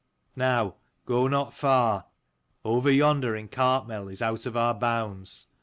Now go not far. Over yonder in Cartmel is out of our bounds.